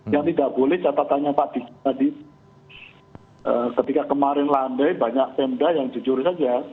yang tidak boleh catatannya pak diki tadi ketika kemarin landai banyak pemda yang jujur saja